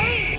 tia tia tia